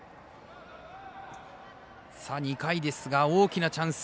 ２回ですが大きなチャンス。